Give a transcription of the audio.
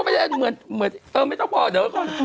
แบบเอ่อไม่ต้องบอกอ่ะเด้อก่อน